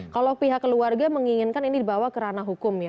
kalau pihak keluarga menginginkan ini dibawa kerana hukum ya